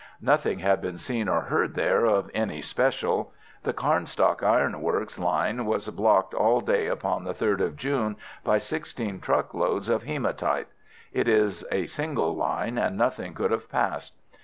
Nothing had been seen or heard there of any special. The Carnstock Iron Works line was blocked all day upon the 3rd of June by sixteen truckloads of hematite. It is a single line, and nothing could have passed.